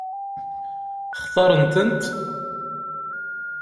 Xtaṛent-tent?